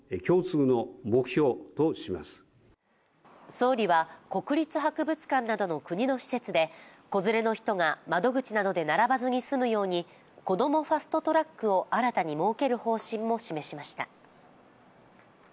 総理は、国立博物館などの国の施設で子連れの人が窓口などで並ばずに済むようにこどもファスト・トラックを新たに設ける方針も示しました。